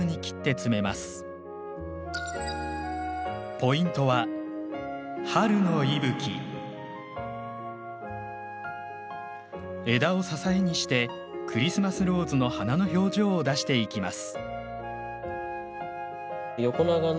ポイントは枝を支えにしてクリスマスローズの花の表情を出していきます。